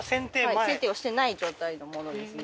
はい剪定をしてない状態のものですね